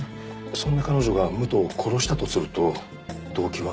そんな彼女が武藤を殺したとすると動機は。